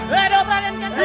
bidob raden kian santang